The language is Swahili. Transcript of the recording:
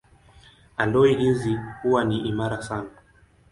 Aloi hizi huwa ni imara sana.